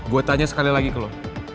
gue tanya sekali lagi ke lo